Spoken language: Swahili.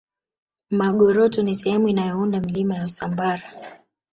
magoroto ni sehemu inayounda milima ya usambara